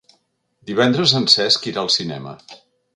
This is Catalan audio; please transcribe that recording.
Divendres en Cesc irà al cinema.